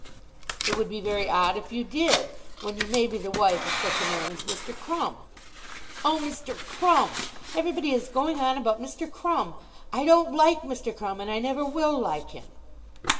"It would be very odd if you did, when you may be the wife of such a man as Mr. Crumb." "Oh, Mr. Crumb! Everybody is going on about Mr. Crumb. I don't like Mr. Crumb, and I never will like him."